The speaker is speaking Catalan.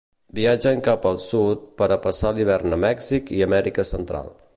Viatgen cap al sud per a passar l'hivern a Mèxic i Amèrica Central.